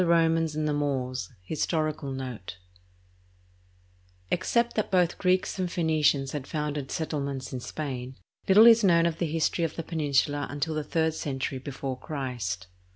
\ """•I i s* ttT^ d 1 t» ^ HISTORICAL NOTE Except that both Greeks and Phoenicians had founded settlements in Spain, little is known of the history of the peninsula until the third century before Christ.